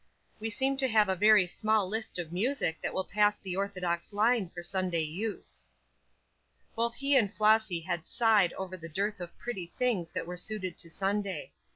We seem to have a very small list of music that will pass the orthodox line for Sunday use." Both he and Flossy had sighed over the dearth of pretty things that were suited to Sunday.